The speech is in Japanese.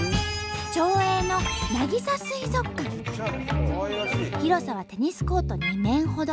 町営の広さはテニスコート２面ほど。